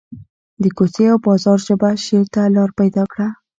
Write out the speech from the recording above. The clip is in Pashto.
د کوڅې او بازار ژبه شعر ته لار پیدا کړه